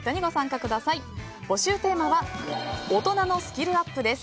募集テーマは大人のスキルアップです。